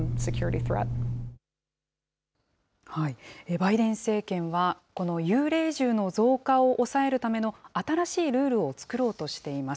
バイデン政権は、この幽霊銃の増加を抑えるための新しいルールを作ろうとしています。